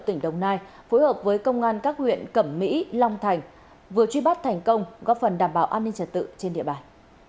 tỉnh đồng nai phối hợp với công an các huyện cẩm mỹ long thành vừa truy bắt thành công góp phần đảm bảo an ninh trật tự trên địa bàn